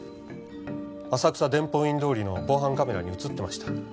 浅草伝法院通りの防犯カメラに映ってました。